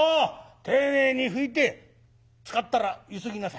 丁寧に拭いて使ったらゆすぎなさい。